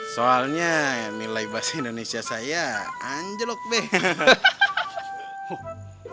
soalnya nilai bahasa indonesia saya anjlok deh